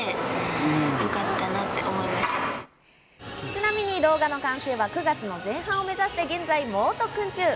ちなみに動画の完成は９月の前半を目指して現在、猛特訓中。